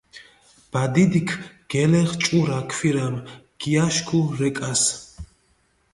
ბადიდიქ გელეღჷ ჭურა ქვირამი, გიაშქუ რეკას.